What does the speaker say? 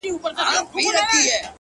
• گراني په تا باندي چا كوډي كړي ـ